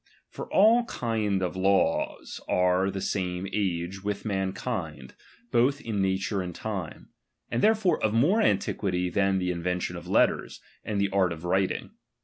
^H For all kind of laws are of the same age with ^B mankind, both in nature and time ; and therefore ^M of more antiquity than the invention of letters, ^M and the art of writing.